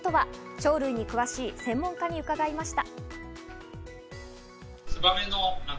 鳥類に詳しい専門家に伺いました。